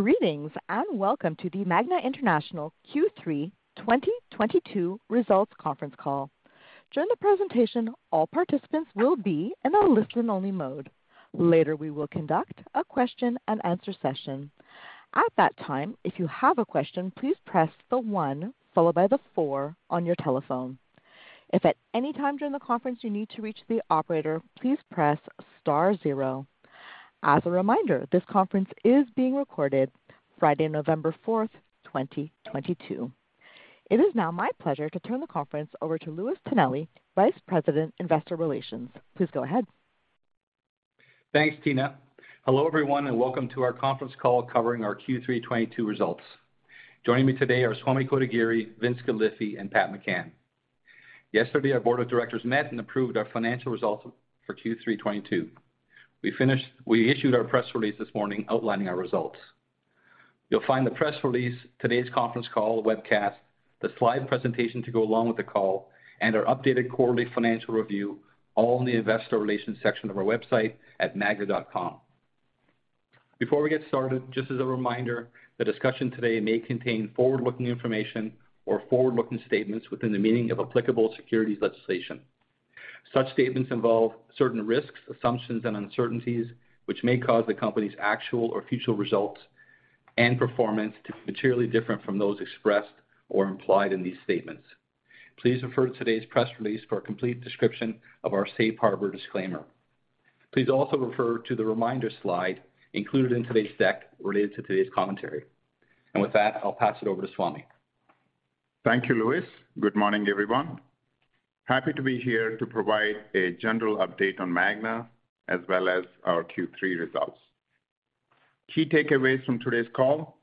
Greetings, and welcome to the Magna International Q3 2022 Results Conference Call. During the presentation, all participants will be in a listen-only mode. Later, we will conduct a question-and-answer session. At that time, if you have a question, please press the one followed by the four on your telephone. If at any time during the conference you need to reach the operator, please press star zero. As a reminder, this conference is being recorded Friday, November 4th, 2022. It is now my pleasure to turn the conference over to Louis Tonelli, Vice President, Investor Relations. Please go ahead. Thanks, Tina. Hello, everyone, and welcome to our conference call covering our Q3 2022 results. Joining me today are Swamy Kotagiri, Vincent Galifi, and Patrick McCann. Yesterday, our board of directors met and approved our financial results for Q3 2022. We issued our press release this morning outlining our results. You'll find the press release, today's conference call, the webcast, the slide presentation to go along with the call, and our updated quarterly financial review all on the investor relations section of our website at magna.com. Before we get started, just as a reminder, the discussion today may contain forward-looking information or forward-looking statements within the meaning of applicable securities legislation. Such statements involve certain risks, assumptions, and uncertainties which may cause the company's actual or future results and performance to be materially different from those expressed or implied in these statements. Please refer to today's press release for a complete description of our safe harbor disclaimer. Please also refer to the reminder slide included in today's deck related to today's commentary. With that, I'll pass it over to Swamy. Thank you, Louis. Good morning, everyone. Happy to be here to provide a general update on Magna, as well as our Q3 results. Key takeaways from today's call.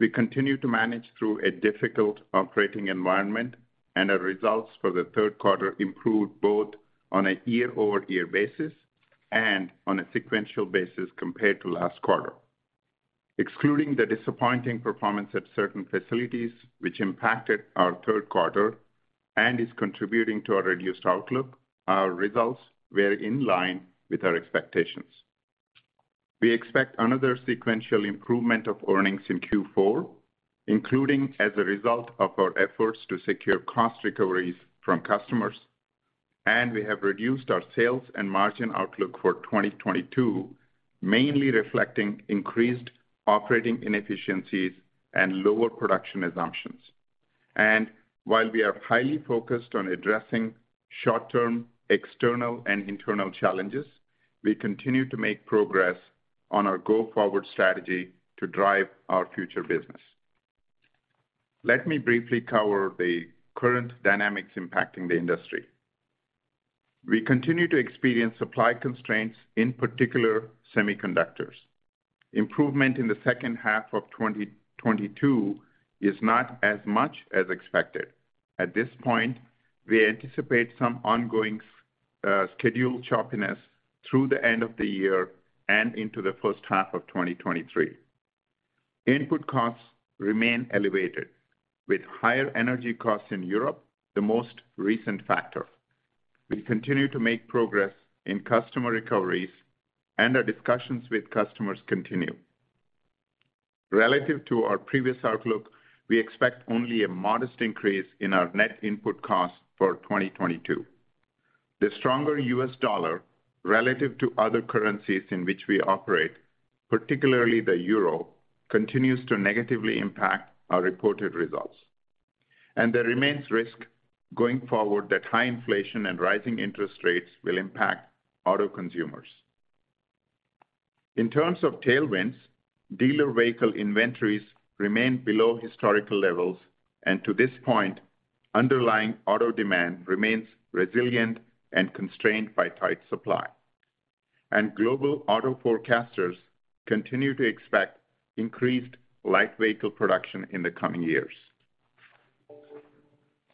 We continue to manage through a difficult operating environment, and our results for the 3rd quarter improved both on a year-over-year basis and on a sequential basis compared to last quarter. Excluding the disappointing performance at certain facilities which impacted our 3rd quarter and is contributing to our reduced outlook, our results were in line with our expectations. We expect another sequential improvement of earnings in Q4, including as a result of our efforts to secure cost recoveries from customers, and we have reduced our sales and margin outlook for 2022, mainly reflecting increased operating inefficiencies and lower production assumptions. While we are highly focused on addressing short-term external and internal challenges, we continue to make progress on our go-forward strategy to drive our future business. Let me briefly cover the current dynamics impacting the industry. We continue to experience supply constraints, in particular semiconductors. Improvement in the 2nd half of 2022 is not as much as expected. At this point, we anticipate some ongoing schedule choppiness through the end of the year and into the 1st half of 2023. Input costs remain elevated, with higher energy costs in Europe the most recent factor. We continue to make progress in customer recoveries, and our discussions with customers continue. Relative to our previous outlook, we expect only a modest increase in our net input costs for 2022. The stronger U.S. dollar relative to other currencies in which we operate, particularly the euro, continues to negatively impact our reported results. There remains risk going forward that high inflation and rising interest rates will impact auto consumers. In terms of tailwinds, dealer vehicle inventories remain below historical levels, and to this point, underlying auto demand remains resilient and constrained by tight supply. Global auto forecasters continue to expect increased light vehicle production in the coming years.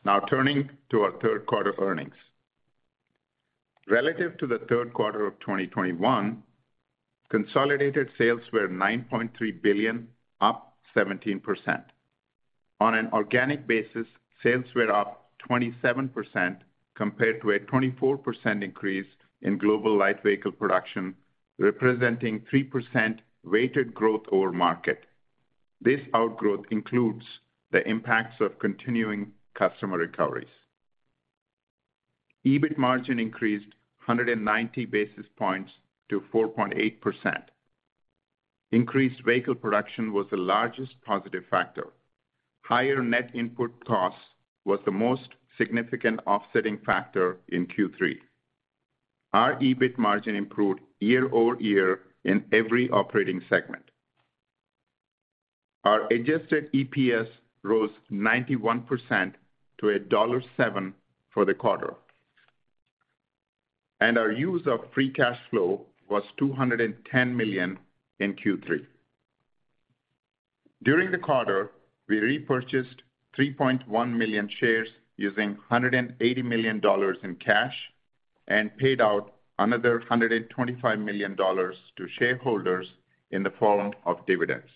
Now turning to our 3rd quarter earnings. Relative to the 3rd quarter of 2021, consolidated sales were $9.3 billion, up 17%. On an organic basis, sales were up 27% compared to a 24% increase in global light vehicle production, representing 3% weighted growth over market. This outgrowth includes the impacts of continuing customer recoveries. EBIT margin increased 190 basis points to 4.8%. Increased vehicle production was the largest positive factor. Higher net input costs was the most significant offsetting factor in Q3. Our EBIT margin improved year-over-year in every operating segment. Our adjusted EPS rose 91% to $1.07 for the quarter. Our use of free cash flow was $210 million in Q3. During the quarter, we repurchased 3.1 million shares using $180 million in cash and paid out another $125 million to shareholders in the form of dividends.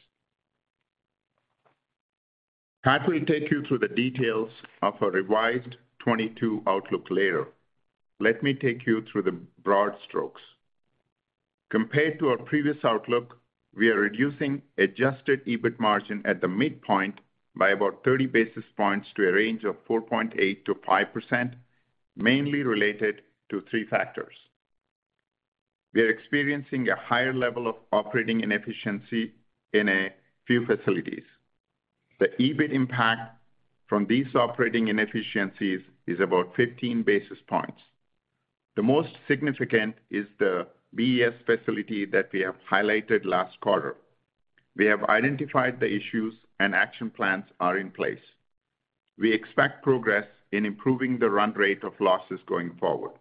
Pat will take you through the details of our revised 2022 outlook later. Let me take you through the broad strokes. Compared to our previous outlook, we are reducing adjusted EBIT margin at the midpoint by about 30 basis points to a range of 4.8%-5%, mainly related to three factors. We are experiencing a higher level of operating inefficiency in a few facilities. The EBIT impact from these operating inefficiencies is about 15 basis points. The most significant is the VES facility that we have highlighted last quarter. We have identified the issues and action plans are in place. We expect progress in improving the run rate of losses going forward.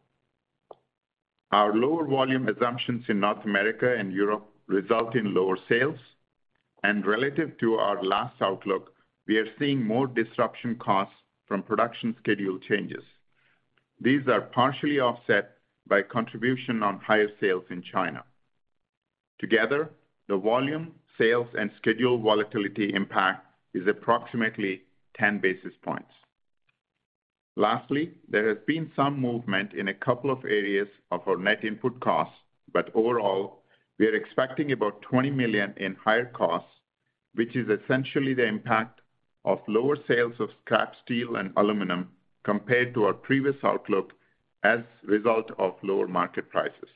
Our lower volume assumptions in North America and Europe result in lower sales. Relative to our last outlook, we are seeing more disruption costs from production schedule changes. These are partially offset by contribution on higher sales in China. Together, the volume, sales, and schedule volatility impact is approximately 10 basis points. Lastly, there has been some movement in a couple of areas of our net input costs, but overall, we are expecting about $20 million in higher costs, which is essentially the impact of lower sales of scrap steel and aluminum compared to our previous outlook as a result of lower market prices.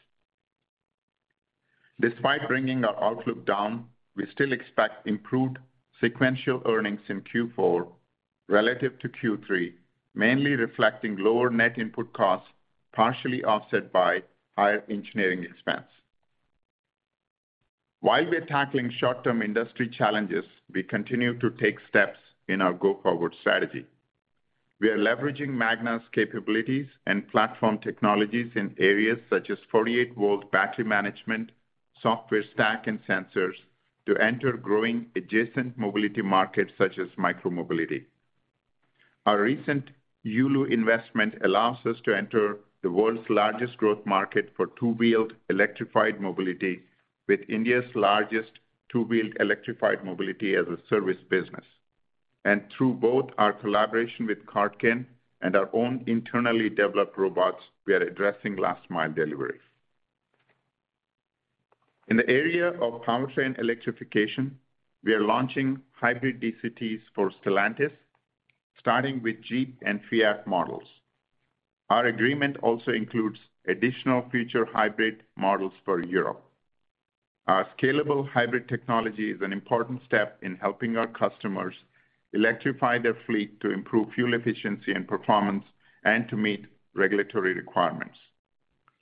Despite bringing our outlook down, we still expect improved sequential earnings in Q4 relative to Q3, mainly reflecting lower net input costs, partially offset by higher engineering expense. While we are tackling short-term industry challenges, we continue to take steps in our go-forward strategy. We are leveraging Magna's capabilities and platform technologies in areas such as 48-volt battery management, software stack, and sensors to enter growing adjacent mobility markets such as micro-mobility. Our recent Yulu investment allows us to enter the world's largest growth market for two-wheeled electrified mobility with India's largest two-wheeled electrified mobility-as-a-service business. Through both our collaboration with Cartken and our own internally developed robots, we are addressing last mile delivery. In the area of powertrain electrification, we are launching hybrid DCTs for Stellantis, starting with Jeep and Fiat models. Our agreement also includes additional future hybrid models for Europe. Our scalable hybrid technology is an important step in helping our customers electrify their fleet to improve fuel efficiency and performance and to meet regulatory requirements.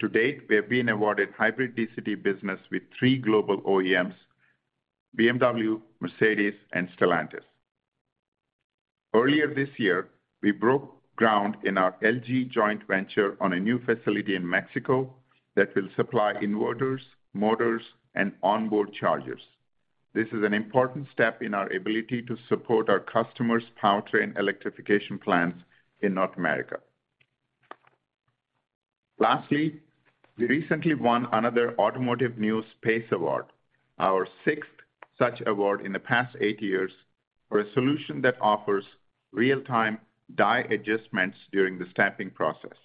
To date, we have been awarded hybrid DCT business with three global OEMs, BMW, Mercedes, and Stellantis. Earlier this year, we broke ground in our LG joint venture on a new facility in Mexico that will supply inverters, motors, and onboard chargers. This is an important step in our ability to support our customers' powertrain electrification plans in North America. Lastly, we recently won another Automotive News PACE Award, our sixth such award in the past eight years, for a solution that offers real-time die adjustments during the stamping process.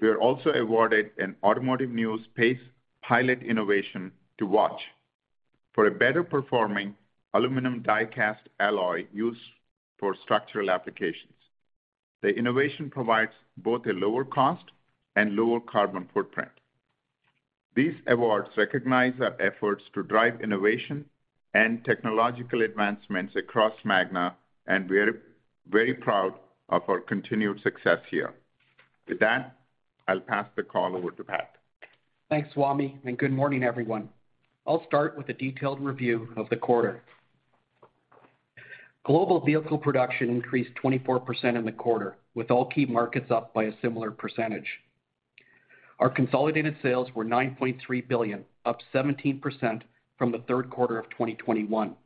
We are also awarded an Automotive News PACEpilot Innovation to Watch for a better performing aluminum die cast alloy used for structural applications. The innovation provides both a lower cost and lower carbon footprint. These awards recognize our efforts to drive innovation and technological advancements across Magna, and we are very proud of our continued success here. With that, I'll pass the call over to Pat. Thanks, Swamy, and good morning, everyone. I'll start with a detailed review of the quarter. Global vehicle production increased 24% in the quarter, with all key markets up by a similar percentage. Our consolidated sales were $9.3 billion, up 17% from the 3rd quarter of 2021.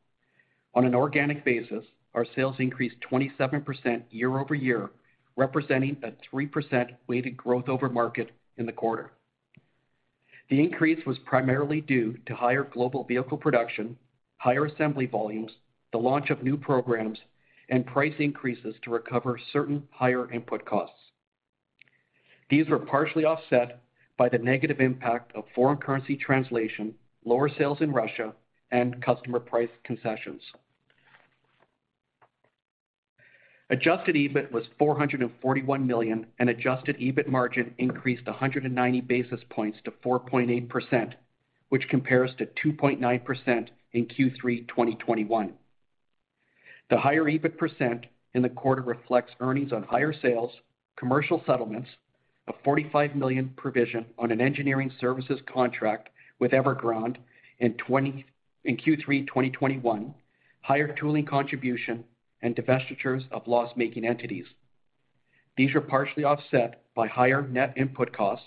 On an organic basis, our sales increased 27% year-over-year, representing a 3% weighted growth over market in the quarter. The increase was primarily due to higher global vehicle production, higher assembly volumes, the launch of new programs, and price increases to recover certain higher input costs. These were partially offset by the negative impact of foreign currency translation, lower sales in Russia, and customer price concessions. Adjusted EBIT was $441 million, and adjusted EBIT margin increased 100 basis points to 4.8%, which compares to 2.9% in Q3 2021. The higher EBIT percent in the quarter reflects earnings on higher sales, commercial settlements, a $45 million provision on an engineering services contract with Evergrande in Q3 2021, higher tooling contribution, and divestitures of loss-making entities. These were partially offset by higher net input costs,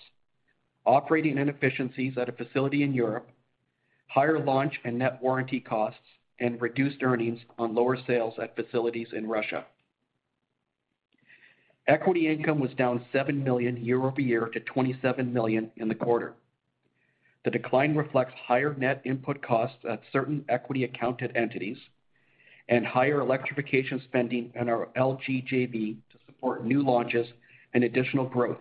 operating inefficiencies at a facility in Europe, higher launch and net warranty costs, and reduced earnings on lower sales at facilities in Russia. Equity income was down $7 million year-over-year to $27 million in the quarter. The decline reflects higher net input costs at certain equity accounted entities and higher electrification spending in our LG JV to support new launches and additional growth,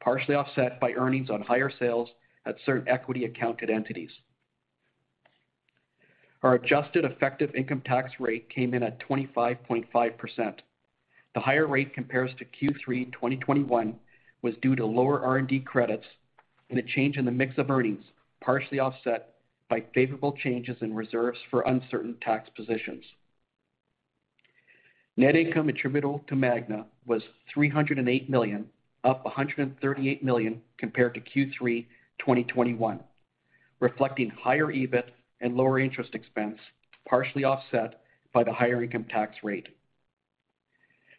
partially offset by earnings on higher sales at certain equity accounted entities. Our adjusted effective income tax rate came in at 25.5%. The higher rate compared to Q3 2021 was due to lower R&D credits and a change in the mix of earnings, partially offset by favorable changes in reserves for uncertain tax positions. Net income attributable to Magna was $308 million, up $138 million compared to Q3 2021, reflecting higher EBIT and lower interest expense, partially offset by the higher income tax rate.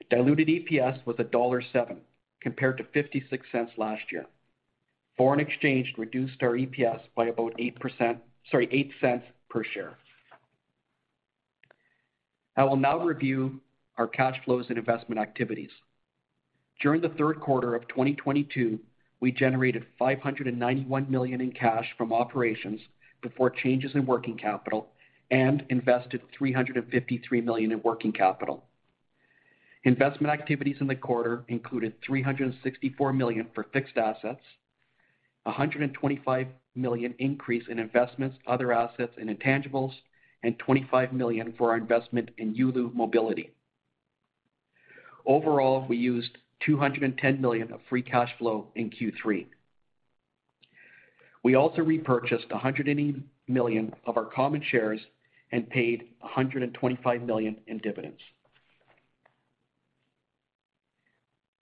Diluted EPS was $1.07 compared to $0.56 last year. Foreign exchange reduced our EPS by about $0.08 per share. I will now review our cash flows and investment activities. During the 3rd quarter of 2022, we generated $591 million in cash from operations before changes in working capital and invested $353 million in working capital. Investment activities in the quarter included $364 million for fixed assets, $125 million increase in investments, other assets, and intangibles, and $25 million for our investment in Yulu Mobility. Overall, we used $210 million of free cash flow in Q3. We also repurchased $180 million of our common shares and paid $125 million in dividends.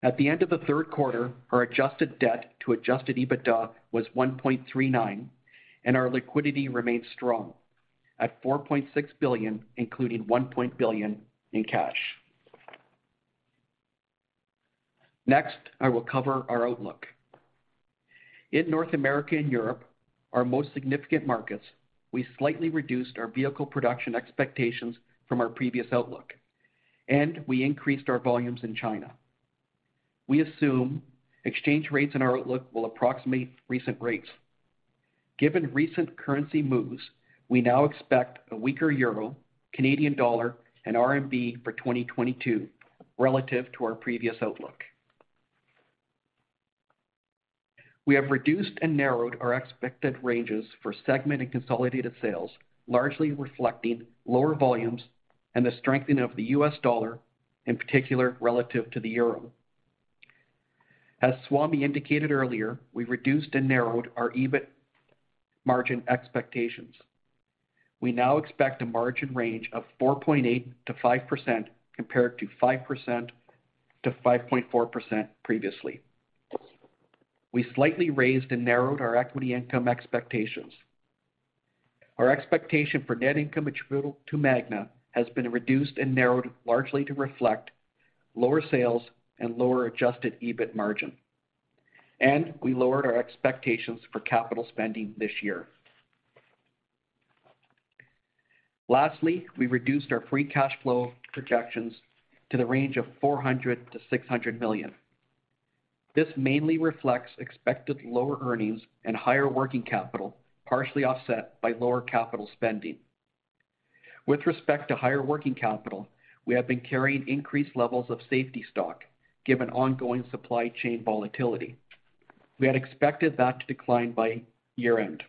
At the end of the 3rd quarter, our adjusted debt to adjusted EBITDA was 1.39%, and our liquidity remains strong at $4.6 billion, including $1 billion in cash. Next, I will cover our outlook. In North America and Europe, our most significant markets, we slightly reduced our vehicle production expectations from our previous outlook, and we increased our volumes in China. We assume exchange rates in our outlook will approximate recent rates. Given recent currency moves, we now expect a weaker euro, Canadian dollar, and RMB for 2022 relative to our previous outlook. We have reduced and narrowed our expected ranges for segment and consolidated sales, largely reflecting lower volumes and the strengthening of the U.S. dollar, in particular relative to the euro. As Swamy indicated earlier, we reduced and narrowed our EBIT margin expectations. We now expect a margin range of 4.8%-5% compared to 5%-5.4% previously. We slightly raised and narrowed our equity income expectations. Our expectation for net income attributable to Magna has been reduced and narrowed largely to reflect lower sales and lower adjusted EBIT margin. We lowered our expectations for capital spending this year. Lastly, we reduced our free cash flow projections to the range of $400 million-$600 million. This mainly reflects expected lower earnings and higher working capital, partially offset by lower capital spending. With respect to higher working capital, we have been carrying increased levels of safety stock given ongoing supply chain volatility. We had expected that to decline by year-end.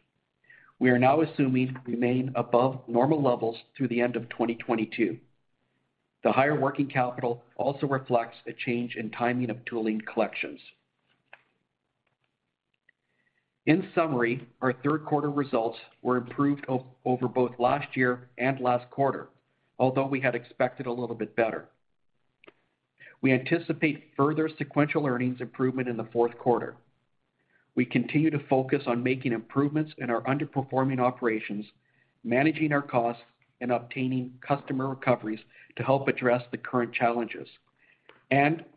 We are now assuming to remain above normal levels through the end of 2022. The higher working capital also reflects a change in timing of tooling collections. In summary, our 3rd quarter results were improved over both last year and last quarter, although we had expected a little bit better. We anticipate further sequential earnings improvement in the 4th quarter. We continue to focus on making improvements in our underperforming operations, managing our costs, and obtaining customer recoveries to help address the current challenges.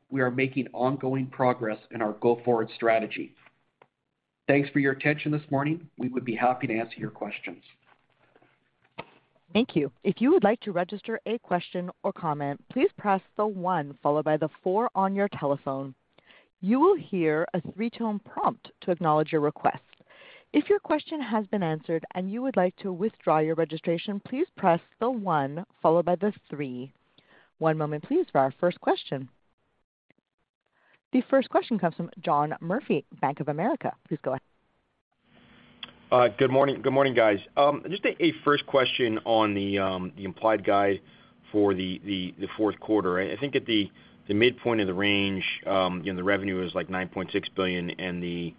We are making ongoing progress in our go-forward strategy. Thanks for your attention this morning. We would be happy to answer your questions. Thank you. If you would like to register a question or comment, please press the one followed by the four on your telephone. You will hear a three-tone prompt to acknowledge your request. If your question has been answered and you would like to withdraw your registration, please press the one followed by the three. One moment, please, for our first question. The first question comes from John Murphy, Bank of America. Please go ahead. Good morning, guys. Just a first question on the implied guide for the 4th quarter. I think at the midpoint of the range, you know, the revenue is like $9.6 billion and the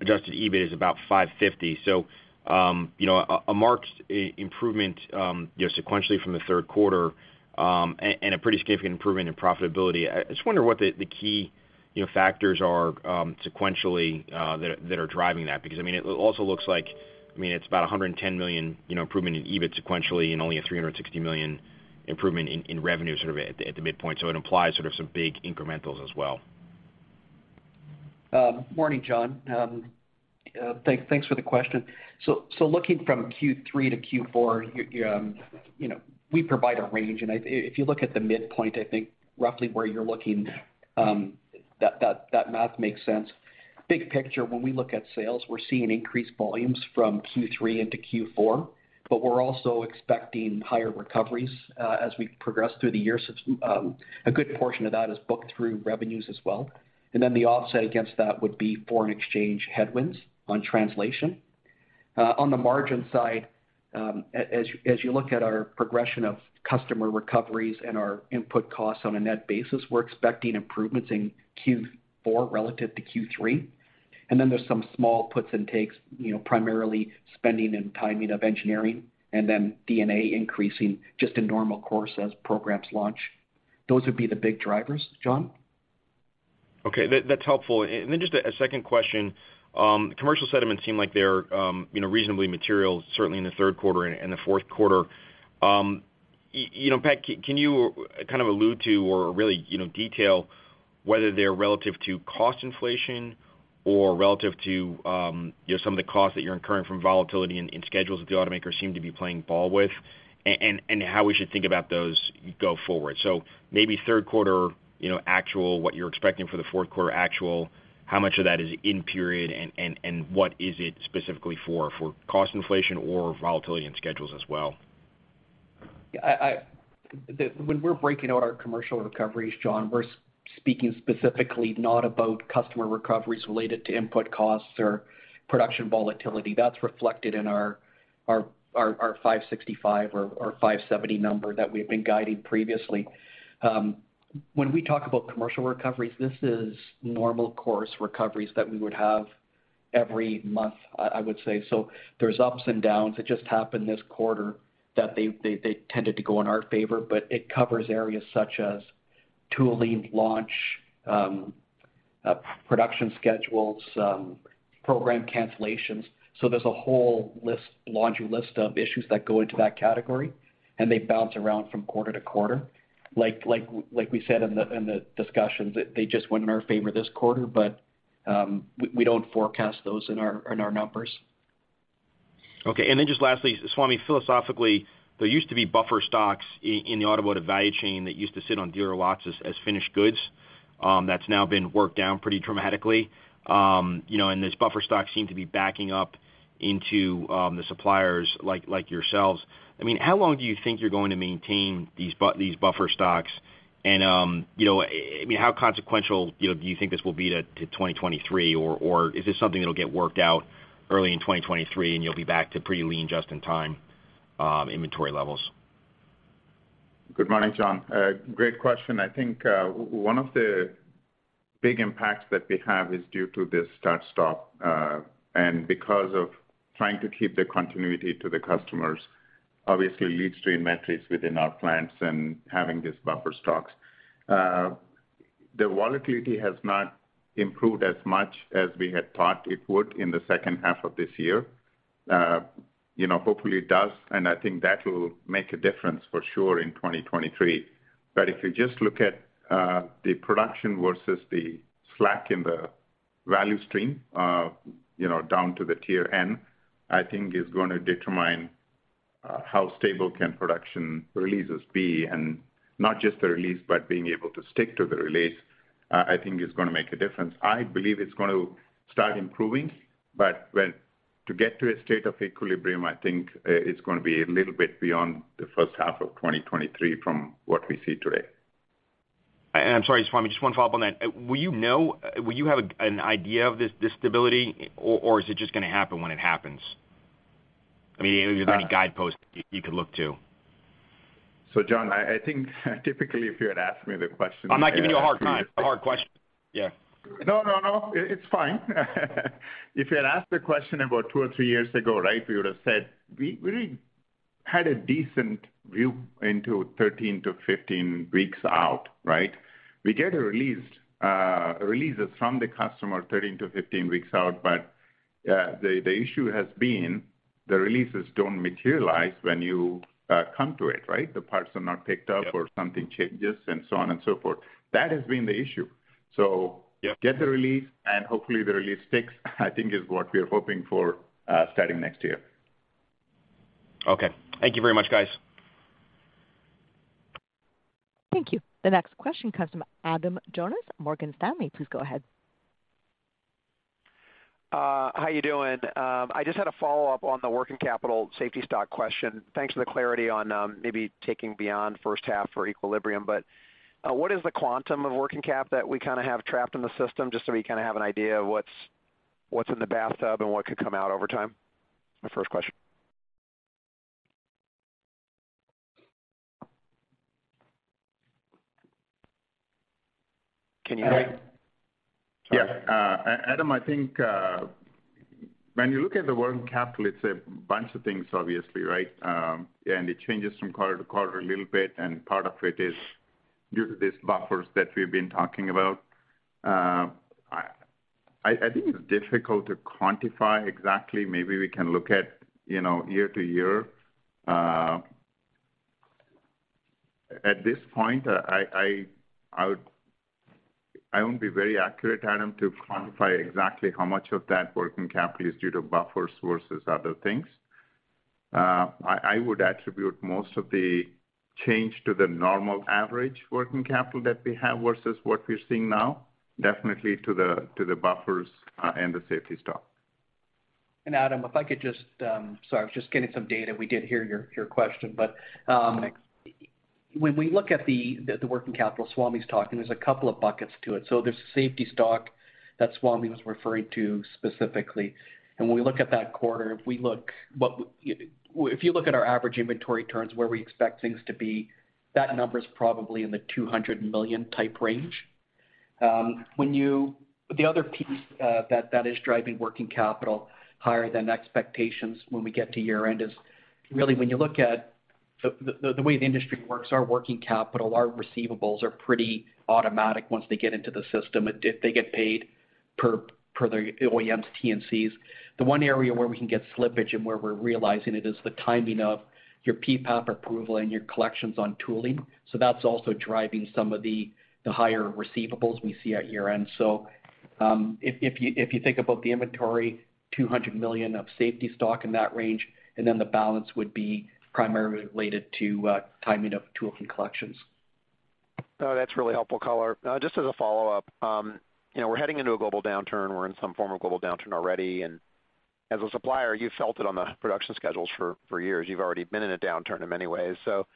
adjusted EBIT is about $550. A marked improvement sequentially from the 3rd quarter and a pretty significant improvement in profitability. I just wonder what the key factors are sequentially that are driving that. Because, I mean, it also looks like, I mean, it's about $110 million improvement in EBIT sequentially and only a $360 million improvement in revenue sort of at the midpoint. It implies sort of some big incrementals as well. Morning, John. Thanks for the question. Looking from Q3 to Q4, you know, we provide a range. If you look at the midpoint, I think roughly where you're looking, that math makes sense. Big picture, when we look at sales, we're seeing increased volumes from Q3 into Q4, but we're also expecting higher recoveries as we progress through the year. A good portion of that is booked through revenues as well. Then the offset against that would be foreign exchange headwinds on translation. On the margin side, as you look at our progression of customer recoveries and our input costs on a net basis, we're expecting improvements in Q4 relative to Q3. Then there's some small puts and takes, you know, primarily spending and timing of engineering and then D&A increasing just in normal course as programs launch. Those would be the big drivers, John. Okay. That's helpful. Then just a second question. Commercial settlements seem like they're, you know, reasonably material, certainly in the 3rd quarter and the 4th quarter. You know, Pat, can you kind of allude to or really, you know, detail whether they're relative to cost inflation or relative to, you know, some of the costs that you're incurring from volatility in schedules that the automakers seem to be playing ball with, and how we should think about those go forward. Maybe 3rd quarter, you know, actual, what you're expecting for the 4th quarter actual, how much of that is in period and what is it specifically for cost inflation or volatility in schedules as well? Yeah, when we're breaking out our commercial recoveries, John, we're speaking specifically not about customer recoveries related to input costs or production volatility. That's reflected in our $565 million or $570 million number that we've been guiding previously. When we talk about commercial recoveries, this is normal course recoveries that we would have every month, I would say. There's ups and downs. It just happened this quarter that they tended to go in our favor, but it covers areas such as tooling, launch, production schedules, program cancellations. There's a whole list, laundry list of issues that go into that category, and they bounce around from quarter-to-quarter. Like we said in the discussions, they just went in our favor this quarter, but we don't forecast those in our numbers. Okay. Just lastly, Swamy, philosophically, there used to be buffer stocks in the automotive value chain that used to sit on dealer lots as finished goods. That's now been worked down pretty dramatically. You know, those buffer stocks seem to be backing up into the suppliers like yourselves. I mean, how long do you think you're going to maintain these buffer stocks? You know, I mean, how consequential do you think this will be to 2023? Is this something that'll get worked out early in 2023, and you'll be back to pretty lean just-in-time inventory levels? Good morning, John. Great question. I think, one of the big impacts that we have is due to this start-stop, and because of trying to keep the continuity to the customers, obviously leads to inefficiencies within our plants and having these buffer stocks. The volatility has not improved as much as we had thought it would in the 2nd half of this year. You know, hopefully it does, and I think that will make a difference for sure in 2023. If you just look at the production versus the slack in the value stream, you know, down to the tier N, I think is gonna determine how stable can production releases be. Not just the release, but being able to stick to the release, I think is gonna make a difference. I believe it's going to start improving, but to get to a state of equilibrium, I think, it's gonna be a little bit beyond the 1st half of 2023 from what we see today. I'm sorry, Swamy. Just one follow-up on that. Will you have an idea of this stability or is it just gonna happen when it happens? I mean, is there any guideposts you could look to? John, I think typically, if you had asked me the question. I'm not giving you a hard time, a hard question. Yeah. No. It's fine. If you had asked the question about two or three years ago, right, we would have said we had a decent view into 13-15 weeks out, right? We get releases from the customer 13-15 weeks out, but the issue has been the releases don't materialize when you come to it, right? The parts are not picked up or something changes and so on and so forth. That has been the issue. Yep. Get the release, and hopefully the release sticks, I think is what we are hoping for, starting next year. Okay. Thank you very much, guys. Thank you. The next question comes from Adam Jonas, Morgan Stanley. Please go ahead. How are you doing? I just had a follow-up on the working capital safety stock question. Thanks for the clarity on maybe taking beyond 1st half for equilibrium. What is the quantum of working cap that we kinda have trapped in the system just so we kinda have an idea of what's in the bathtub and what could come out over time? My first question. Can you hear me? Yes. Adam, I think when you look at the working capital, it's a bunch of things, obviously, right? It changes from quarter-to-quarter a little bit, and part of it is due to these buffers that we've been talking about. I think it's difficult to quantify exactly. Maybe we can look at, you know, year-to-year. At this point, I won't be very accurate, Adam, to quantify exactly how much of that working capital is due to buffers versus other things. I would attribute most of the change to the normal average working capital that we have versus what we're seeing now, definitely to the buffers and the safety stock. Adam, if I could just. Sorry, I was just getting some data. We did hear your question. When we look at the working capital Swamy's talking, there's a couple of buckets to it. There's safety stock that Swamy was referring to specifically. When we look at that quarter, if you look at our average inventory turns where we expect things to be, that number is probably in the $200 million type range. The other piece that is driving working capital higher than expectations when we get to year-end is really when you look at the way the industry works, our working capital, our receivables are pretty automatic once they get into the system. They get paid per the OEMs, T&Cs. The one area where we can get slippage and where we're realizing it is the timing of your PPAP approval and your collections on tooling. That's also driving some of the higher receivables we see at year-end. If you think about the inventory, $200 million of safety stock in that range, and then the balance would be primarily related to timing of tooling and collections. No, that's really helpful color. Now, just as a follow-up, you know, we're heading into a global downturn. We're in some form of global downturn already, and as a supplier, you felt it on the production schedules for years. You've already been in a downturn in many ways. So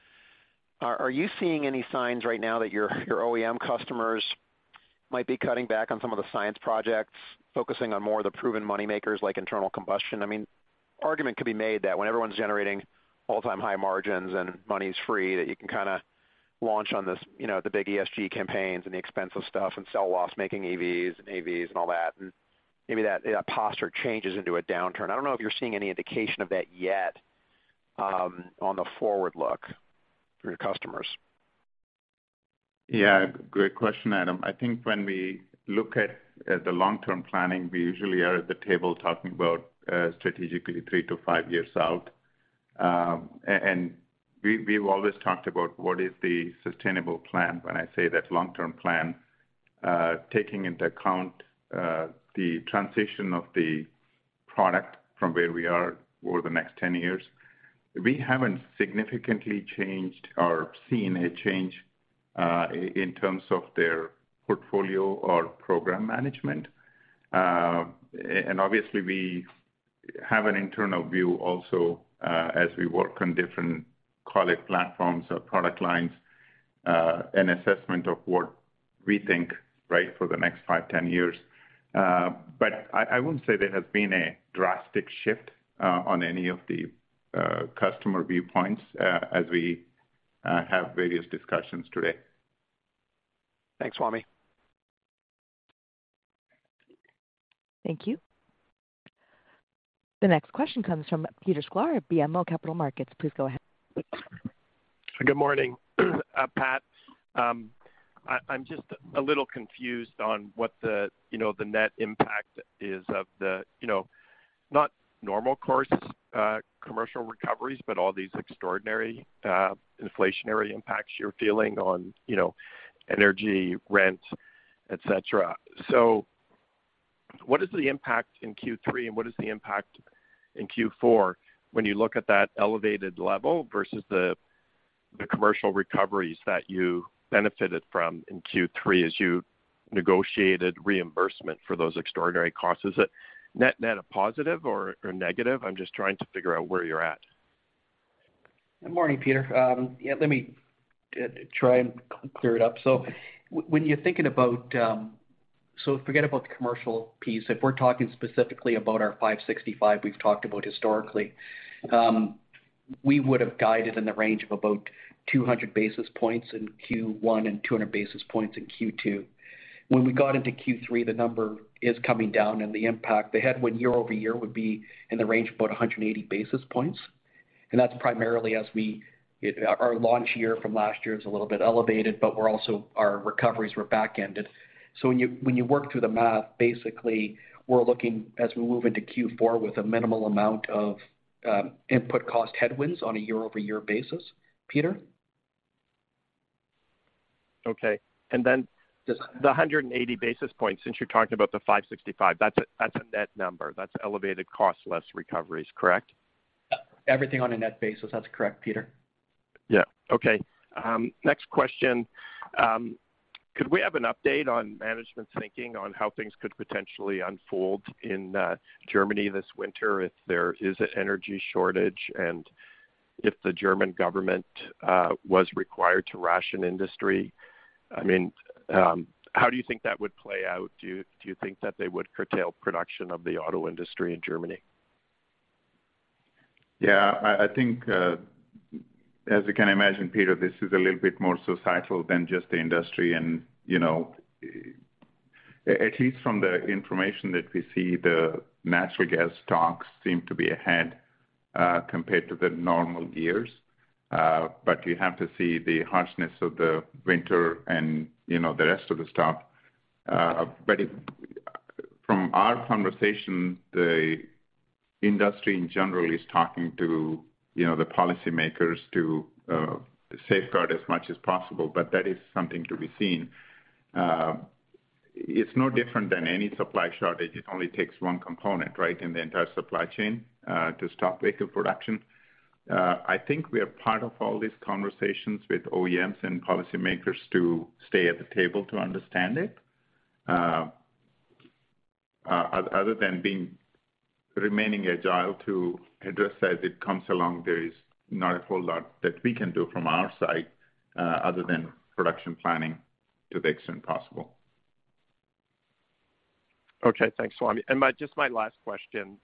are you seeing any signs right now that your OEM customers might be cutting back on some of the science projects, focusing on more of the proven money makers like internal combustion? I mean, argument could be made that when everyone's generating all-time high margins and money's free, that you can kinda launch on this, you know, the big ESG campaigns and the expensive stuff and sell loss making EVs and AVs and all that, and maybe that posture changes into a downturn. I don't know if you're seeing any indication of that yet, on the forward look for your customers. Yeah, great question, Adam. I think when we look at the long-term planning, we usually are at the table talking about strategically three to five years out. We've always talked about what is the sustainable plan when I say that long-term plan, taking into account the transition of the product from where we are over the next 10 years. We haven't significantly changed or seen a change in terms of their portfolio or program management. Obviously, we have an internal view also as we work on different call it platforms or product lines, an assessment of what we think, right, for the next five, 10 years. I wouldn't say there has been a drastic shift on any of the customer viewpoints as we have various discussions today. Thanks, Swamy. Thank you. The next question comes from Peter Sklar at BMO Capital Markets. Please go ahead. Good morning, Pat. I'm just a little confused on what the, you know, the net impact is of the, you know, not normal course commercial recoveries, but all these extraordinary inflationary impacts you're feeling on, you know, energy, rent, et cetera. What is the impact in Q3, and what is the impact in Q4 when you look at that elevated level versus the commercial recoveries that you benefited from in Q3 as you negotiated reimbursement for those extraordinary costs? Is it net a positive or negative? I'm just trying to figure out where you're at. Good morning, Peter. Yeah, let me try and clear it up. Forget about the commercial piece. If we're talking specifically about our $565 million we've talked about historically, we would have guided in the range of about 200 basis points in Q1 and 200 basis points in Q2. When we got into Q3, the number is coming down and the impact. The headwind year-over-year would be in the range of about 180 basis points. That's primarily as we, our launch year from last year is a little bit elevated, but we're also, our recoveries were back-ended. When you work through the math, basically, we're looking as we move into Q4 with a minimal amount of input cost headwinds on a year-over-year basis, Peter. Okay. The 180 basis points, since you're talking about the $565 million, that's a net number. That's elevated cost less recoveries, correct? Everything on a net basis. That's correct, Peter. Yeah. Okay. Next question. Could we have an update on management's thinking on how things could potentially unfold in, Germany this winter if there is an energy shortage and if the German government, was required to ration industry? I mean, how do you think that would play out? Do you think that they would curtail production of the auto industry in Germany? Yeah. I think, as you can imagine, Peter, this is a little bit more societal than just the industry. At least from the information that we see, the natural gas stocks seem to be ahead, compared to the normal years. You have to see the harshness of the winter and, you know, the rest of the stuff. From our conversation, the industry in general is talking to, you know, the policymakers to safeguard as much as possible, but that is something to be seen. It's no different than any supply shortage. It only takes one component, right, in the entire supply chain, to stop vehicle production. I think we are part of all these conversations with OEMs and policymakers to stay at the table to understand it. Other than remaining agile to address as it comes along, there is not a whole lot that we can do from our side, other than production planning to the extent possible. Okay. Thanks, Swamy. Just my last question,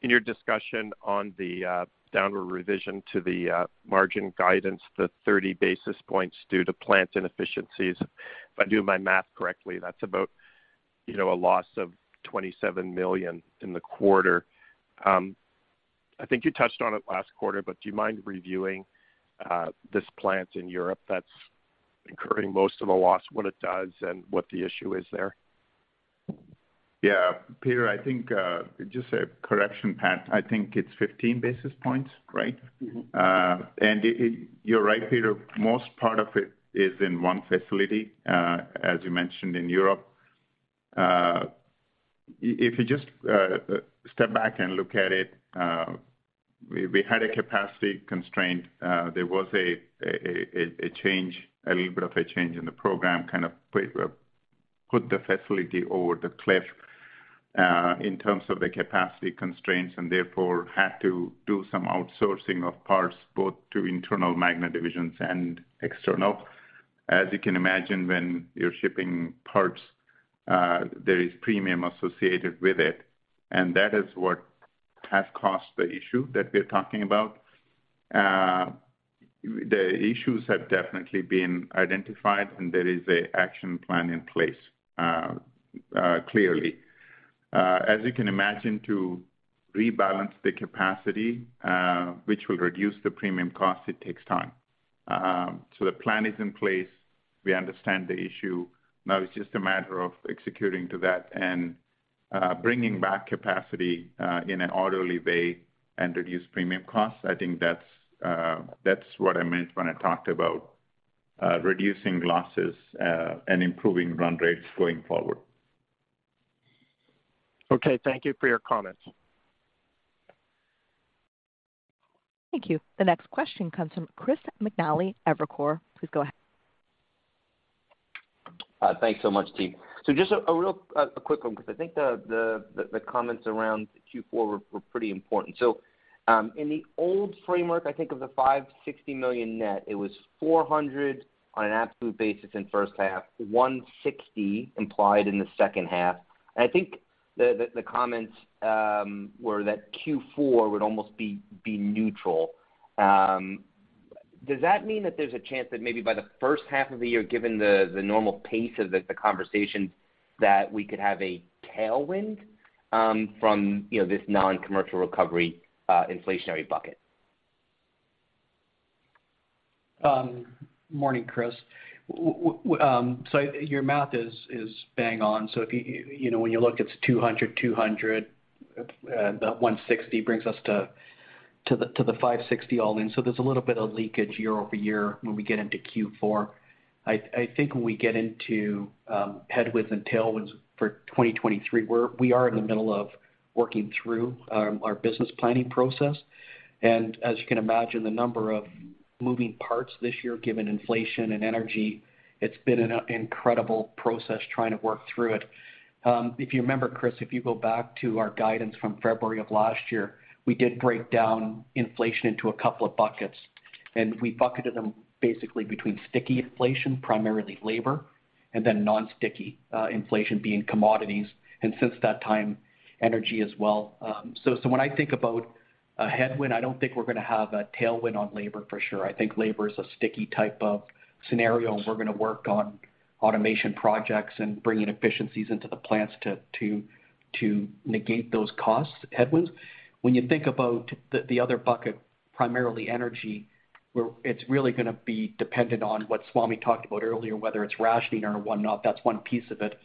in your discussion on the downward revision to the margin guidance, the 30 basis points due to plant inefficiencies, if I do my math correctly, that's about, you know, a loss of $27 million in the quarter. I think you touched on it last quarter, but do you mind reviewing this plant in Europe that's incurring most of the loss, what it does, and what the issue is there? Yeah. Peter, I think, just a correction, Pat. I think it's 15 basis points, right? Mm-hmm. You're right, Peter. Most part of it is in one facility, as you mentioned, in Europe. If you just step back and look at it, we had a capacity constraint. There was a little bit of a change in the program, kind of put the facility over the cliff, in terms of the capacity constraints and therefore had to do some outsourcing of parts both to internal Magna divisions and external. As you can imagine, when you're shipping parts, there is a premium associated with it, and that is what has caused the issue that we're talking about. The issues have definitely been identified and there is an action plan in place, clearly. As you can imagine, to rebalance the capacity, which will reduce the premium cost, it takes time. The plan is in place. We understand the issue. Now it's just a matter of executing to that and bringing back capacity in an orderly way and reduce premium costs. I think that's what I meant when I talked about reducing losses and improving run rates going forward. Okay. Thank you for your comments. Thank you. The next question comes from Chris McNally, Evercore. Please go ahead. Thanks so much, team. Just a real quick one because I think the comments around Q4 were pretty important. In the old framework, I think of the $560 million net, it was $400 million on an absolute basis in 1st half, $160 million implied in the 2nd half. I think the comments were that Q4 would almost be neutral. Does that mean that there's a chance that maybe by the 1st half of the year, given the normal pace of the conversations, that we could have a tailwind from you know this non-commercial recovery inflationary bucket? Morning, Chris. Your math is bang on. If you know, when you look, it's $200 million, $200 million. That $160 million brings us to the $560 millon all in. There's a little bit of leakage year-over-year when we get into Q4. I think when we get into headwinds and tailwinds for 2023, we are in the middle of working through our business planning process. As you can imagine, the number of moving parts this year, given inflation and energy, it's been an incredible process trying to work through it. If you remember, Chris, if you go back to our guidance from February of last year, we did break down inflation into a couple of buckets. We bucketed them basically between sticky inflation, primarily labor, and then non-sticky inflation being commodities, and since that time, energy as well. So when I think about a headwind, I don't think we're gonna have a tailwind on labor for sure. I think labor is a sticky type of scenario, and we're gonna work on automation projects and bringing efficiencies into the plants to negate those costs headwinds. When you think about the other bucket, primarily energy, where it's really gonna be dependent on what Swamy talked about earlier, whether it's rationing or whatnot, that's one piece of it.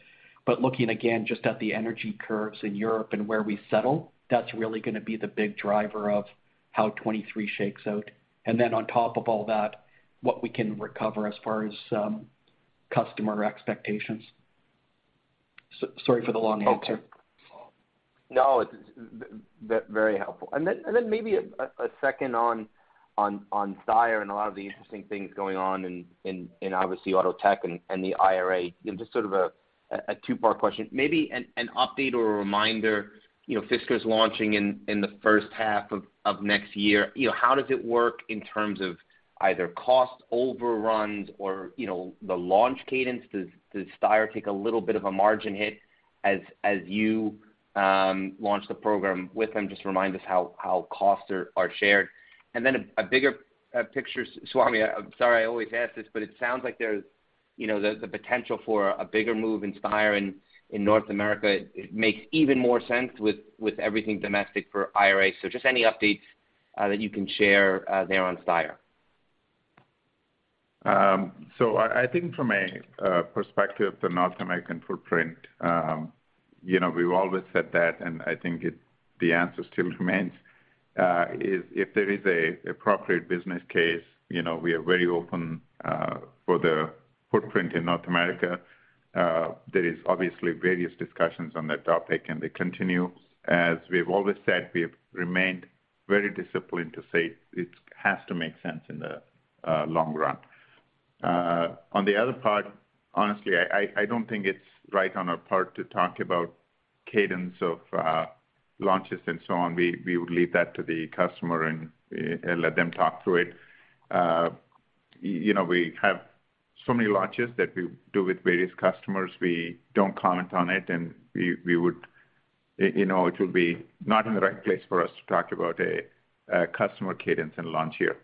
Looking again just at the energy curves in Europe and where we settle, that's really gonna be the big driver of how 2023 shakes out. Then on top of all that, what we can recover as far as customer expectations. Sorry for the long answer. No, it's very helpful. Maybe a second on Steyr and a lot of the interesting things going on in obviously AutoTech and the IRA. You know, just sort of a two-part question. Maybe an update or a reminder, you know, Fisker's launching in the 1st half of next year. You know, how does it work in terms of either cost overruns or, you know, the launch cadence? Does Steyr take a little bit of a margin hit as you launch the program with them? Just remind us how costs are shared. A bigger picture, Swamy, I'm sorry I always ask this, but it sounds like there's you know the potential for a bigger move in Steyr in North America. It makes even more sense with everything domestic for IRA. Just any updates that you can share there on Steyr? I think from a perspective, the North American footprint, you know, we've always said that, the answer still remains, is if there is a appropriate business case, you know, we are very open for the footprint in North America. There is obviously various discussions on that topic, and they continue. As we've always said, we have remained very disciplined to say it has to make sense in the long run. On the other part, honestly, I don't think it's right on our part to talk about cadence of launches and so on. We would leave that to the customer and let them talk to it. You know, we have so many launches that we do with various customers, we don't comment on it, and we would. You know, it would be not in the right place for us to talk about a customer cadence and launch here.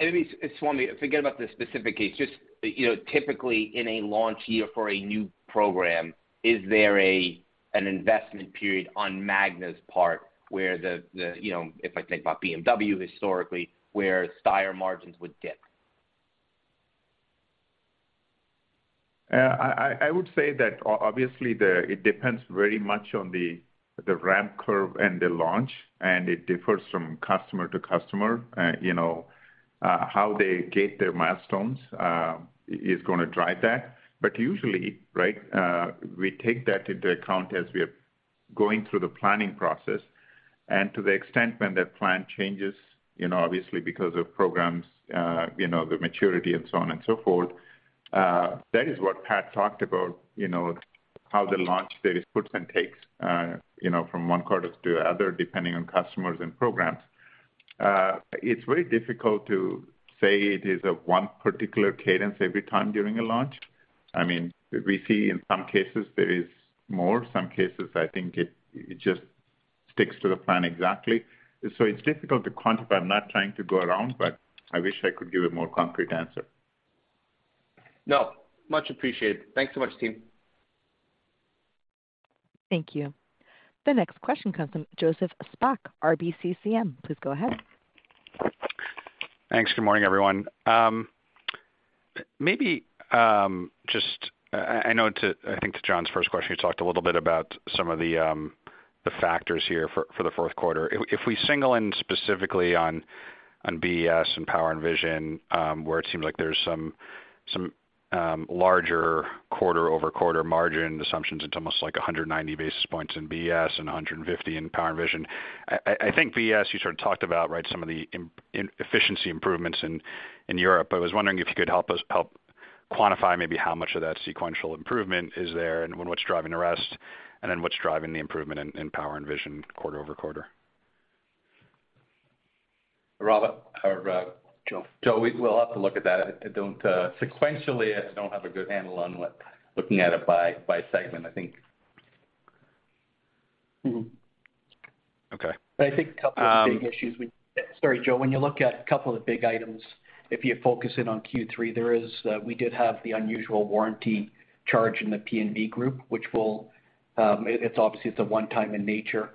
Maybe, Swamy, forget about the specific case, just, you know, typically in a launch year for a new program, is there an investment period on Magna's part where the, you know, if I think about BMW historically, where higher margins would dip? I would say that obviously it depends very much on the ramp curve and the launch, and it differs from customer to customer. You know, how they get their milestones is gonna drive that. Usually, right, we take that into account as we are going through the planning process. To the extent when that plan changes, you know, obviously because of programs, you know, the maturity and so on and so forth, that is what Pat talked about, you know, how the launch there is puts and takes, you know, from one quarter to other, depending on customers and programs. It's very difficult to say it is a one particular cadence every time during a launch. I mean, we see in some cases there is more, some cases I think it just sticks to the plan exactly. It's difficult to quantify. I'm not trying to go around, but I wish I could give a more concrete answer. No, much appreciated. Thanks so much, team. Thank you. The next question comes from Joseph Spak, RBCCM. Please go ahead. Thanks. Good morning, everyone. Maybe just, I know, I think, to John's first question, you talked a little bit about some of the factors here for the 4th quarter. If we zero in specifically on BES and Power & Vision, where it seems like there's some larger quarter-over-quarter margin assumptions, it's almost like 190 basis points in BES and 150 basis points in Power & Vision. I think BES, you sort of talked about, right, some of the efficiency improvements in Europe. I was wondering if you could help us help quantify maybe how much of that sequential improvement is there and what's driving the rest, and then what's driving the improvement in Power & Vision quarter-over-quarter. Rob or? Joe, we'll have to look at that. Sequentially, I don't have a good handle on what looking at it by segment, I think. Mm-hmm. Okay. I think a couple of big issues. Sorry, Joe. When you look at a couple of the big items, if you focus in on Q3, there is, we did have the unusual warranty charge in the P&V group, which will, it's obviously a one-time in nature.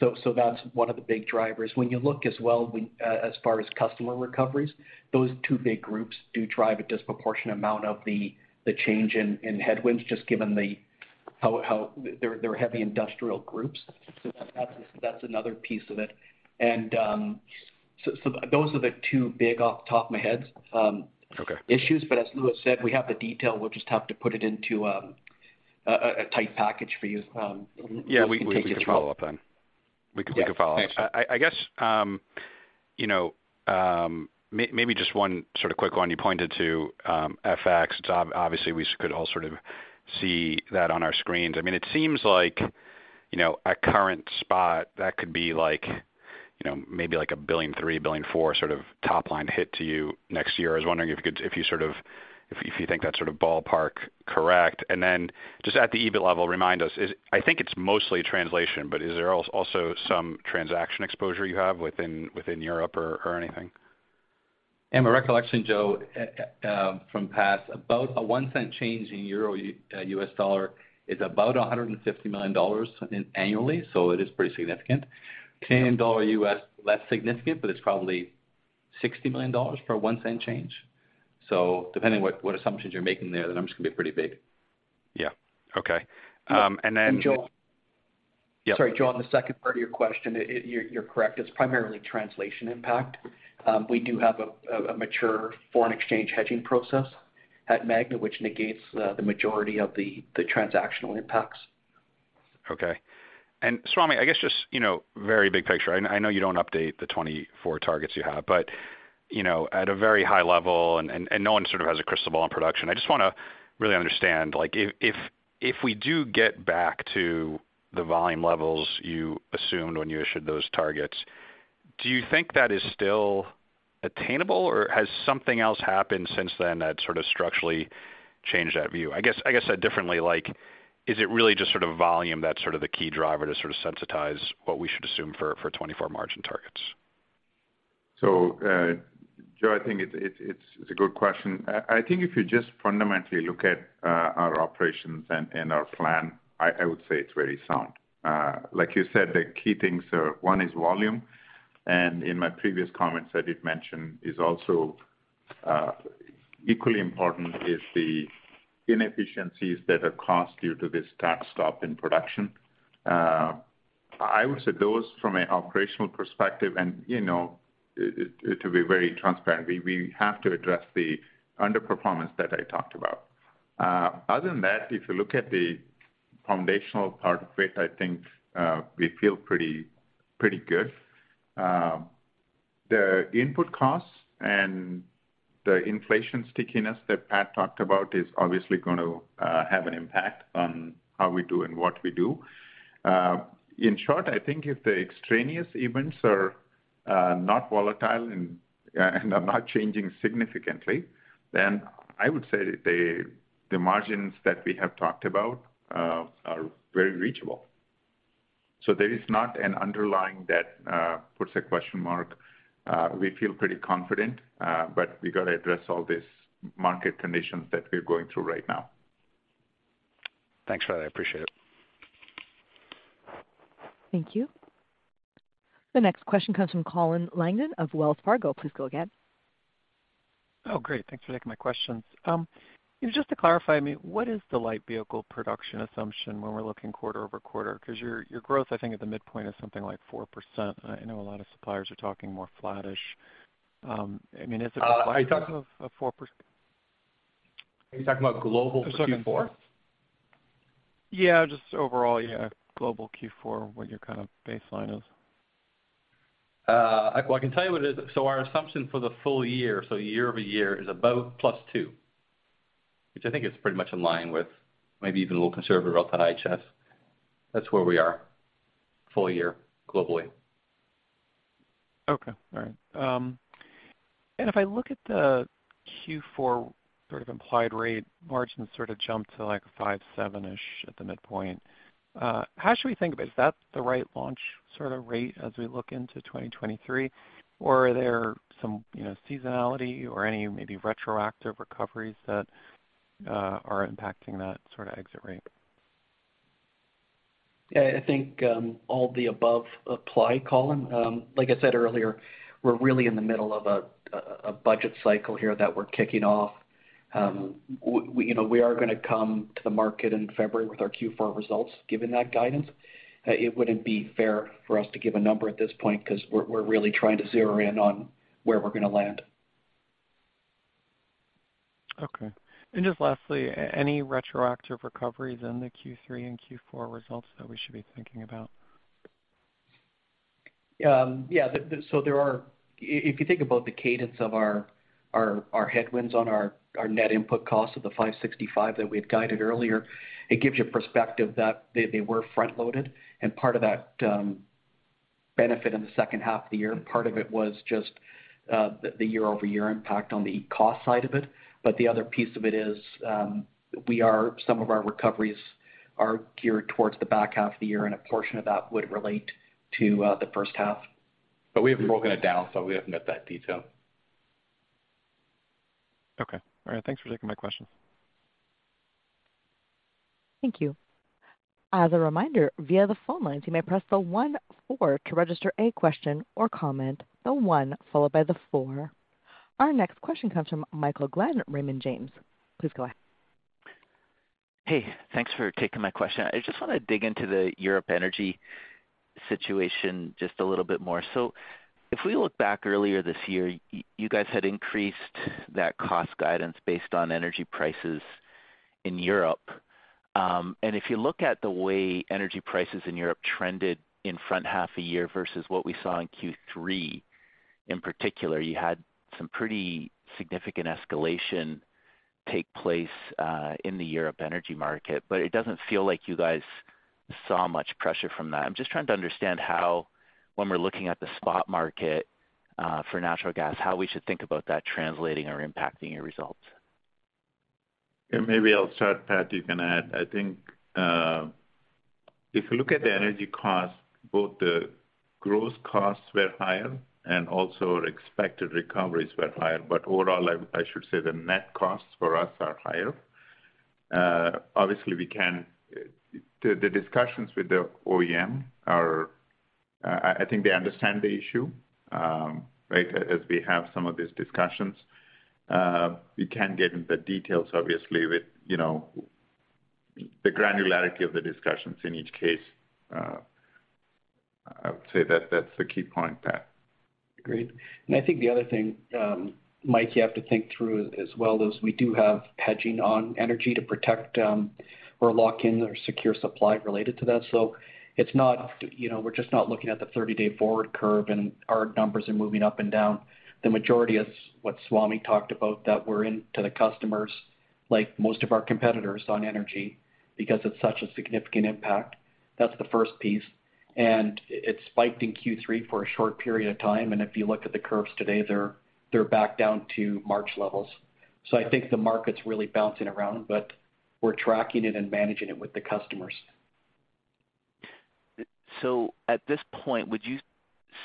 So that's one of the big drivers. When you look as well, as far as customer recoveries, those two big groups do drive a disproportionate amount of the change in headwinds, just given how they're heavy industrial groups. So that's another piece of it. So those are the two big off the top of my head. Okay. Issues. As Louis said, we have the detail. We'll just have to put it into a tight package for you, and we can take it from- Yeah, we can follow up then. We can follow up. Yeah. Thanks. I guess, you know, maybe just one sort of quick one. You pointed to FX. Obviously, we could all sort of see that on our screens. I mean, it seems like, you know, at current spot, that could be like, you know, maybe like $1.3 billion, $1.4 billion sort of top line hit to you next year. I was wondering if you think that sort of ballpark correct. Then just at the EBIT level, remind us, is it. I think it's mostly translation, but is there also some transaction exposure you have within Europe or anything? In my recollection, Joseph, from past, about a $0.01 Change in euro, U.S. dollar is about $150 million annually, so it is pretty significant. Canadian dollar, U.S., less significant, but it's probably $60 million for a $0.01 Change. Depending what assumptions you're making there, the numbers can be pretty big. Yeah. Okay. And Joe- Yeah. Sorry, Joe, on the second part of your question, you're correct. It's primarily translation impact. We do have a mature foreign exchange hedging process at Magna, which negates the majority of the transactional impacts. Okay. Swamy, I guess just, you know, very big picture. I know you don't update the 2024 targets you have, but, you know, at a very high level, and no one sort of has a crystal ball on production. I just wanna really understand, like if we do get back to the volume levels you assumed when you issued those targets, do you think that is still attainable, or has something else happened since then that sort of structurally changed that view? I guess said differently, like, is it really just sort of volume that's sort of the key driver to sort of sensitize what we should assume for 2024 margin targets? Joe, I think it's a good question. I think if you just fundamentally look at our operations and our plan, I would say it's very sound. Like you said, the key things are, one is volume, and in my previous comments, I did mention is also equally important is the inefficiencies that are caused due to this takt stop in production. I would say those from an operational perspective and, you know, to be very transparent, we have to address the underperformance that I talked about. Other than that, if you look at the foundational part of it, I think we feel pretty good. The input costs and the inflation stickiness that Pat talked about is obviously gonna have an impact on how we do and what we do. In short, I think if the extraneous events are not volatile and are not changing significantly, then I would say the margins that we have talked about are very reachable. There is not an underlying that puts a question mark. We feel pretty confident, but we gotta address all these market conditions that we're going through right now. Thanks for that. I appreciate it. Thank you. The next question comes from Colin Langan of Wells Fargo. Please go ahead. Oh, great. Thanks for taking my questions. Just to clarify, I mean, what is the light vehicle production assumption when we're looking quarter-over-quarter? 'Cause your growth, I think, at the midpoint is something like 4%. I know a lot of suppliers are talking more flattish. I mean, is it- Are you talking? of 4%? Are you talking about global Q4? Yeah, just overall, yeah, global Q4, what your kind of baseline is? I can tell you what it is. Our assumption for the full year, so year-over-year, is above +2%, which I think is pretty much in line with maybe even a little conservative relative to IHS. That's where we are full year globally. Okay, all right. If I look at the Q4 sort of implied rate, margins sort of jump to, like, 5.7%-ish at the midpoint. How should we think of it? Is that the right launch sort of rate as we look into 2023, or are there some, you know, seasonality or any maybe retroactive recoveries that are impacting that sorta exit rate? Yeah, I think all the above apply, Colin. Like I said earlier, we're really in the middle of a budget cycle here that we're kicking off. You know, we are gonna come to the market in February with our Q4 results given that guidance. It wouldn't be fair for us to give a number at this point 'cause we're really trying to zero in on where we're gonna land. Okay. Just lastly, any retroactive recoveries in the Q3 and Q4 results that we should be thinking about? If you think about the cadence of our headwinds on our net input cost of the $565 million that we had guided earlier, it gives you perspective that they were front-loaded, and part of that benefit in the 2nd half of the year, part of it was just the year-over-year impact on the cost side of it. The other piece of it is some of our recoveries are geared towards the back half of the year, and a portion of that would relate to the 1st half. We haven't broken it down, so we haven't got that detail. Okay. All right. Thanks for taking my question. Thank you. As a reminder, via the phone lines, you may press the one four to register a question or comment. The one followed by the four. Our next question comes from Michael Glen at Raymond James. Please go ahead. Hey, thanks for taking my question. I just wanna dig into the European energy situation just a little bit more. If we look back earlier this year, you guys had increased that cost guidance based on energy prices in Europe. If you look at the way energy prices in Europe trended in 1st half of the year versus what we saw in Q3, in particular, you had some pretty significant escalation take place in the European energy market, but it doesn't feel like you guys saw much pressure from that. I'm just trying to understand how, when we're looking at the spot market for natural gas, how we should think about that translating or impacting your results. Yeah, maybe I'll start, Pat, you can add. I think, if you look at the energy costs, both the gross costs were higher and also our expected recoveries were higher. Overall, I should say the net costs for us are higher. Obviously, the discussions with the OEM are, I think they understand the issue, right, as we have some of these discussions. We can't get into the details, obviously, with, you know, the granularity of the discussions in each case. I would say that that's the key point, Pat. Agreed. I think the other thing, Mike, you have to think through as well, is we do have hedging on energy to protect, or lock in or secure supply related to that. It's not, you know, we're just not looking at the 30-day forward curve and our numbers are moving up and down. The majority is what Swamy talked about, that we're into the customers like most of our competitors on energy because it's such a significant impact. That's the first piece. It spiked in Q3 for a short period of time, and if you look at the curves today, they're back down to March levels. I think the market's really bouncing around, but we're tracking it and managing it with the customers. At this point, would you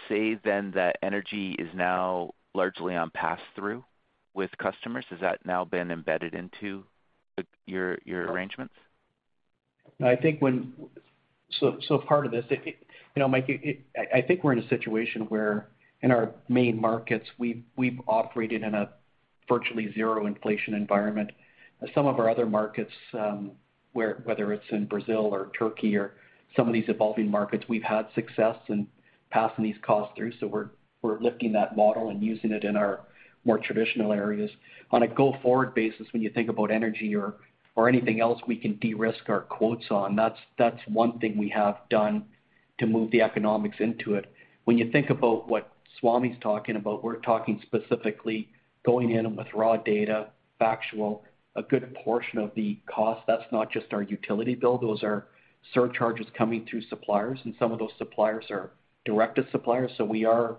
say then that energy is now largely on pass-through with customers? Has that now been embedded into your arrangements? I think so part of this, you know, Mike, I think we're in a situation where in our main markets, we've operated in a virtually zero inflation environment. Some of our other markets, where whether it's in Brazil or Turkey or some of these evolving markets, we've had success in passing these costs through. We're lifting that model and using it in our more traditional areas. On a go-forward basis, when you think about energy or anything else we can de-risk our quotes on, that's one thing we have done to move the economics into it. When you think about what Swamy's talking about, we're talking specifically going in with raw data, factual, a good portion of the cost. That's not just our utility bill, those are surcharges coming through suppliers, and some of those suppliers are direct to suppliers. We are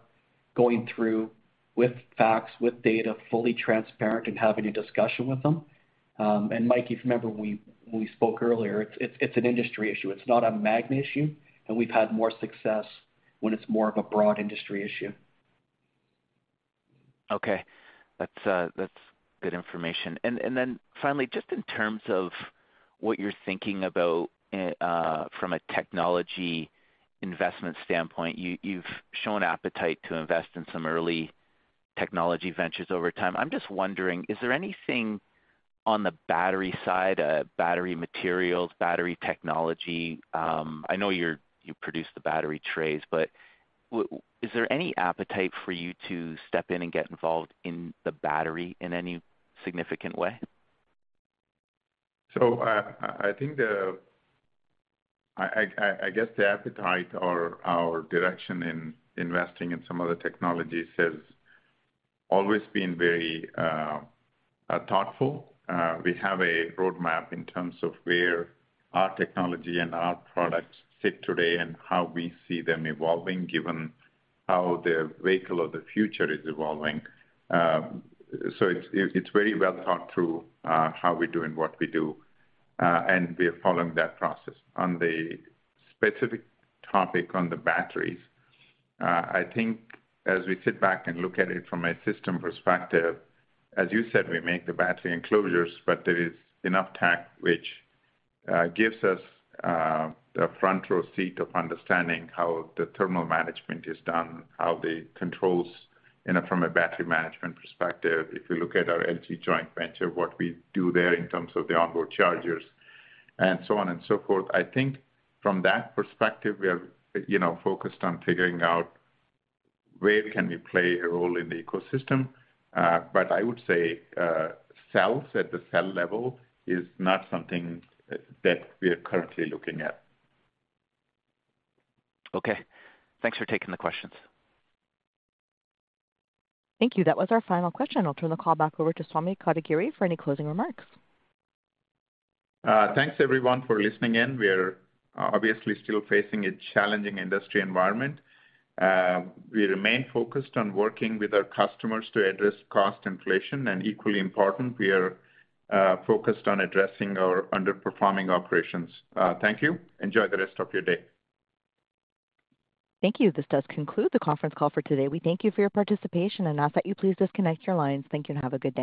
going through with facts, with data, fully transparent, and having a discussion with them. Mike, if you remember, we spoke earlier. It's an industry issue. It's not a Magna issue, and we've had more success when it's more of a broad industry issue. Okay. That's good information. Then finally, just in terms of what you're thinking about, from a technology investment standpoint, you've shown appetite to invest in some early technology ventures over time. I'm just wondering, is there anything on the battery side, battery materials, battery technology? I know you produce the battery trays, but is there any appetite for you to step in and get involved in the battery in any significant way? I think the appetite or our direction in investing in some of the technologies has always been very thoughtful. We have a roadmap in terms of where our technology and our products sit today and how we see them evolving given how the vehicle of the future is evolving. It's very well thought through how we do and what we do, and we are following that process. On the specific topic on the batteries, I think as we sit back and look at it from a system perspective, as you said, we make the battery enclosures, but there is enough tech which gives us a front-row seat of understanding how the thermal management is done, how the controls from a battery management perspective, if you look at our LG joint venture, what we do there in terms of the onboard chargers and so on and so forth. I think from that perspective, we are, you know, focused on figuring out where can we play a role in the ecosystem. I would say cells at the cell level is not something that we are currently looking at. Okay. Thanks for taking the questions. Thank you. That was our final question. I'll turn the call back over to Swamy Kotagiri for any closing remarks. Thanks everyone for listening in. We are obviously still facing a challenging industry environment. We remain focused on working with our customers to address cost inflation, and equally important, we are focused on addressing our underperforming operations. Thank you. Enjoy the rest of your day. Thank you. This does conclude the conference call for today. We thank you for your participation and ask that you please disconnect your lines. Thank you, and have a good day.